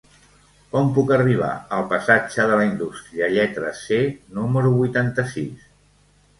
Com puc arribar al passatge de la Indústria lletra C número vuitanta-sis?